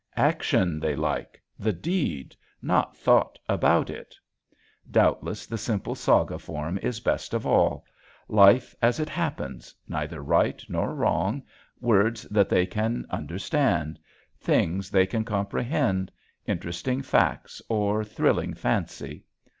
Action they like, the deed not thoughts about it. Doubtless the simple saga form is best of all, life as it happens, neither right nor wrong, words that they can understand, things they can comprehend, interesting facts or thrilling fancy.